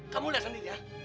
kamu lihat sendiri ya